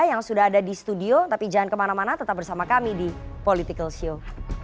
yang sudah ada di studio tapi jangan kemana mana tetap bersama kami di political show